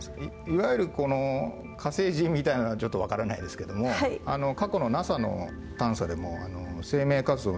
いわゆるこの火星人みたいなのはちょっとわからないですけども過去のＮＡＳＡの探査でも生命活動の可能性があるって。